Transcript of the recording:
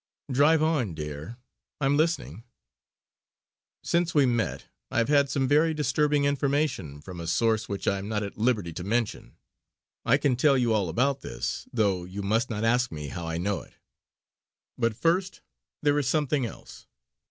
"Drive on dear; I'm listening." "Since we met I have had some very disturbing information from a source which I am not at liberty to mention. I can tell you all about this, though you must not ask me how I know it. But first there is something else.